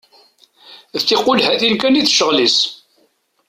D tiqulhatin kan i d ccɣel-is.